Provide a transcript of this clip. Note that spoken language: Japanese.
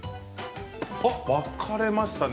分かれましたね。